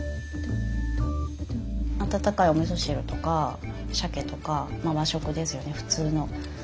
温かいおみそ汁とかしゃけとかまあ和食ですよね普通の。